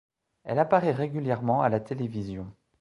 Elle apparaît régulièrement à la télévision.